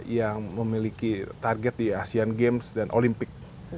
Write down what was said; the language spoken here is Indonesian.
yang memiliki target di asean games dan olimpik